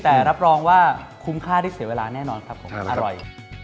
แต่รับรองว่าคุ้มค่าได้เสียเวลาแน่นอนครับผมอร่อย